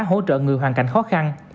hỗ trợ người hoàn cảnh khó khăn